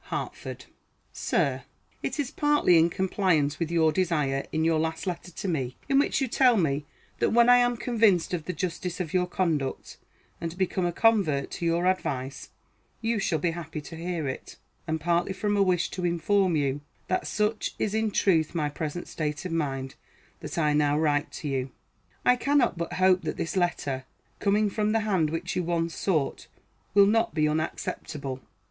HARTFORD. Sir: It is partly in compliance with your desire, in your last letter to me, in which you tell me "that when I am convinced of the justice of your conduct, and become a convert to your advice, you shall be happy to hear it," and partly from a wish to inform you that such is in truth my present state of mind, that I now write to you. I cannot but hope that this letter, coming from the hand which you once sought, will not be unacceptable.